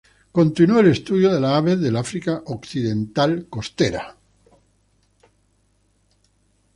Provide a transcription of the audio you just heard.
Continuó el estudio de las aves del África occidental costera.